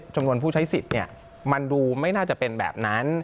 จำนวนผู้ใช้สิทธิ์มันดูไม่น่าจะเป็นแบบนั้น